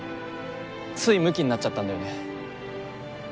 ついムキになっちゃったんだよね。